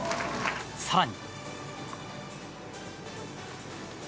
更に。